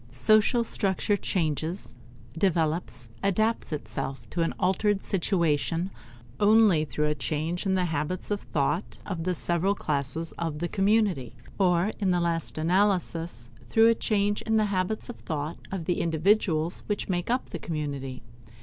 Social structure changes, develops, adapts itself to an altered situation, only through a change in the habits of thought of the several classes of the community, or in the last analysis, through a change in the habits of thought of the individuals which make up the community.